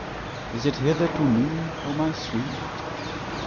is it hither to me, O my sweet?